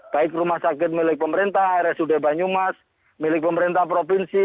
baik rumah sakit milik pemerintah rsud banyumas milik pemerintah provinsi